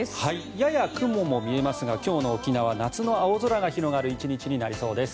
やや雲も見えますが今日の沖縄夏の青空が広がる１日になりそうです。